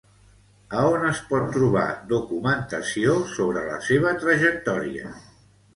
A on es pot trobar documentació sobre la seva trajectòria?